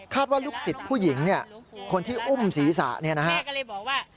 คาดว่าลูกศิษย์ผู้หญิงคนที่อุ้มศรีษะนี่นะครับ